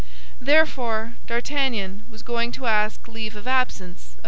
Therefore D'Artagnan was going to ask leave of absence of M.